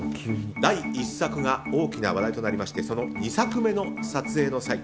第１作が大きな話題となりましてその２作目の撮影の際